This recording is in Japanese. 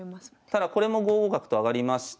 ただこれも５五角と上がりまして。